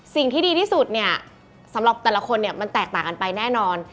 สิ่งที่ดีที่สุดเนี่ยสำหรับแต่ละคนเนี่ยมันแตกต่างกันไปแน่นอน